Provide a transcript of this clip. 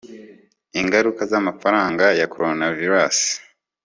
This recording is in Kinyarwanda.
ingaruka zamafaranga ya coronavirus